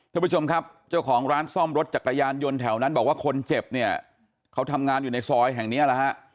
ท่านผู้ชมครับเจ้าของร้านซ่อมรถจักรยานยนต์แถวนั้นบอกว่าคนเจ็บเนี่ยเขาทำงานอยู่ในซอยแห่งเนี้ยแหละฮะ